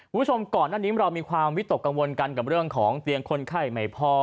คุณผู้ชมก่อนหน้านี้เรามีความวิตกกังวลกันกับเรื่องของเตียงคนไข้ไม่พอ